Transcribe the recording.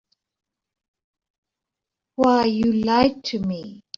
Why, you lied to me.